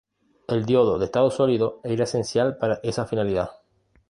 El diodo de estado sólido era esencial para esa finalidad.